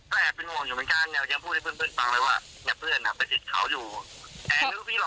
แต่เป็นห่วงอยู่เหมือนกันเนี่ยยังพูดให้เพื่อนเพื่อนฟังเลยว่า